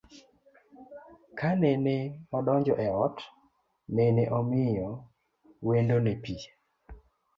Kanene odonjo e ot, nene omiyo wendone pii